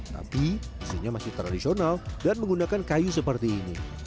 tapi mesinnya masih tradisional dan menggunakan kayu seperti ini